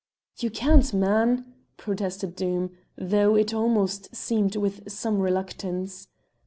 "You can't, man," protested Doom, though, it almost seemed, with some reluctance.